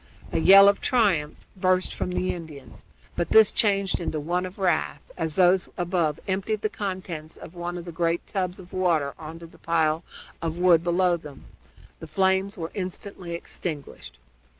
A yell of triumph burst from the Indians, but this changed into one of wrath as those above emptied the contents of one of the great tubs of water on to the pile of wood below them. The flames were instantly extinguished.